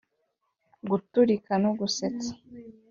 guturika no gusetsa-